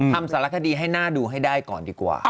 ทำสารคดีให้น่าดูให้ได้ก่อนดีกว่า